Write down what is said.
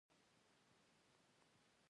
دلته ژلۍ ووري